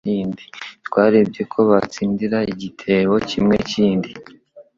Twarebye ko batsindira igitebo kimwekindi